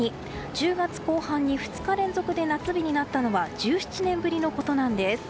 １０月後半に２日連続で夏日になったのは１７年ぶりのことなんです。